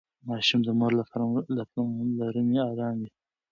ماشوم د مور له پاملرنې ارام وي.